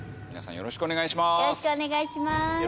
よろしくお願いします。